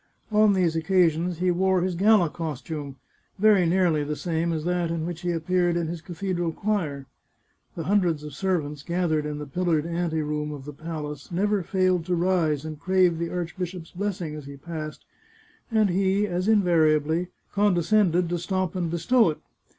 On these occasions he wore his gala costume, very nearly the same as that in which he appeared in his cathedral choir. The hun dreds of servants gathered in the pillared anteroom of the palace never failed to rise and crave the archbishop's bless ing as he passed, and he, as invariably, condescended to stop and bestow it.